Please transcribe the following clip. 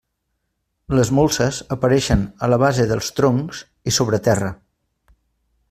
Les molses apareixen a la base dels troncs i sobre terra.